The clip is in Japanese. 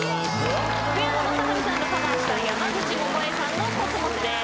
福山雅治さんがカバーした山口百恵さんの『秋桜』です。